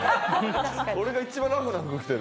俺が一番ラフな服着てる。